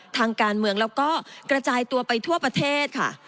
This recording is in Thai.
ทางการเมืองแล้วก็กระจายตัวไปทั่วประเทศค่ะ